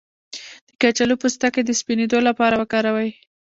د کچالو پوستکی د سپینیدو لپاره وکاروئ